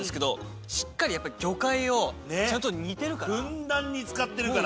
ふんだんに使ってるから。